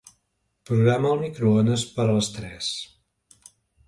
Programa el microones per a les tres.